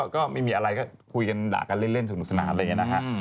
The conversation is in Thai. ก็ไม่มีอะไรก็คุยกันด่ากันเล่นสนุกสนาน